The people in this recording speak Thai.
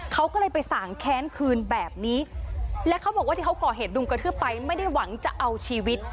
เขาก็เลยไปสางแค้นคืนแบบนี้และเขาบอกว่าที่เขาก่อเหตุรุมกระทืบไปไม่ได้หวังจะเอาชีวิต